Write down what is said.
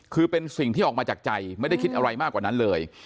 คือเป็นสิ่งที่ออกมาจากใจไม่ได้คิดอะไรมากกว่านั้นเลย